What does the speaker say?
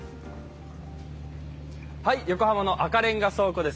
横浜の赤レンガ倉庫です。